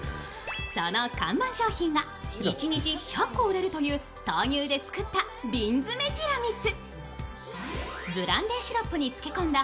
その看板商品が１日１００個売れるという豆乳で作った瓶詰めティラミス。